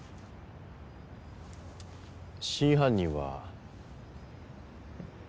真犯人は。